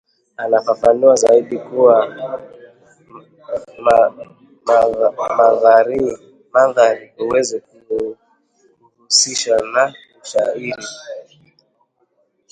anafafanua zaidi kuwa mandhari huweza kuhusishwa na ushairi